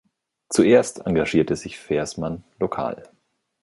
Zuerst engagierte sich Versmann lokal.